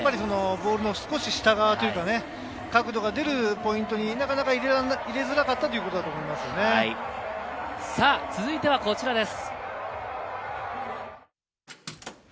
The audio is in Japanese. ボールの少し下側というか、角度が出るポイントになかなか入れづらかったということだと思い続いてはこちらです。